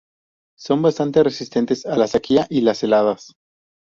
Son bastante resistentes a la sequía y las heladas.